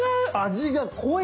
味が濃い！